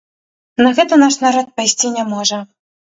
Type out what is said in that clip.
На гэта наш народ пайсці не можа.